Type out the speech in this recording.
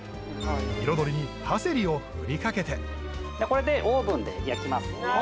彩りにパセリを振りかけてこれでオーブンで焼きますお！